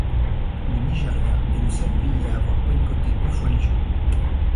Le Nigeria est le seul pays à avoir boycotté deux fois les Jeux.